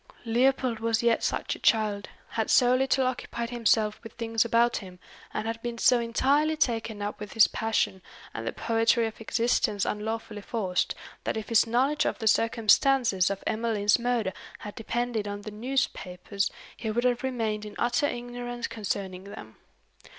Leopold was yet such a child, had so little occupied himself with things about him, and had been so entirely taken up with his passion, and the poetry of existence unlawfully forced, that if his knowledge of the circumstances of Emmeline's murder had depended on the newspapers, he would have remained in utter ignorance concerning them.